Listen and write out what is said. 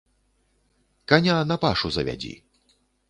Каня на пашу завядзі.